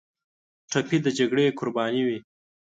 ټپي د جګړې قرباني وي.